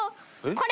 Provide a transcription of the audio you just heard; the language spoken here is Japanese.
これ。